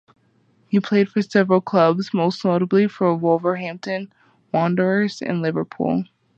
He played for several clubs, most notably for Wolverhampton Wanderers and Liverpool.